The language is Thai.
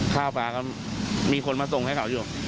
ข้าวปลาก็มีคนมาส่งให้เขาอยู่